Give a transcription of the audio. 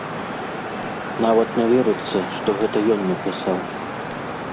Нават не верыцца, што гэта ён напісаў.